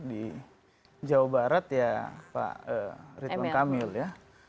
di jawa barat ya pak ridwan kamil ya